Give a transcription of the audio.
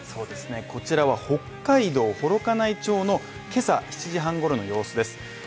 こちらは北海道幌加内町の今朝７時半ごろの様子です。